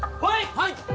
はい！